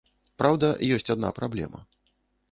Праўда, ёсць адна праблема.